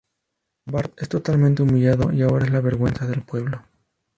Bart es totalmente humillado y ahora es la vergüenza del pueblo.